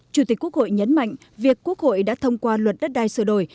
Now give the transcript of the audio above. chủ tịch quốc hội nhấn mạnh việc quốc hội đã thông qua luật đất đai sửa đổi